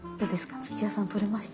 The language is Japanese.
土屋さん取れました？